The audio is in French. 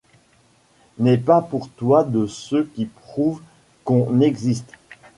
N'est pas pour toi de ceux qui prouvent qu'on existe